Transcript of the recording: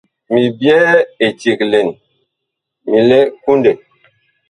Mi byɛɛ eceg lɛn, mi lɛ kundɛ.